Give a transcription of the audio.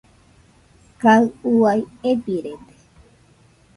Kaɨ uai ebirede.